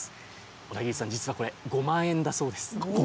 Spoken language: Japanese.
小田切さん、実はこれ、５万円だそうです。